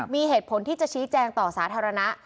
มีเหตุผลที่จะชี้แจงต่อสาธารณะ